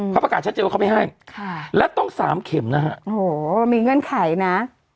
พระประกาศชัดเจนว่าเขาไม่ให้และต้อง๓เข็มนะฮะโหมีเงื่อนไขนะ